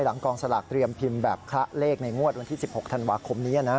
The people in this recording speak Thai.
กองสลากเตรียมพิมพ์แบบคละเลขในงวดวันที่๑๖ธันวาคมนี้นะ